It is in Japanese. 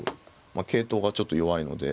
まあ桂頭がちょっと弱いので。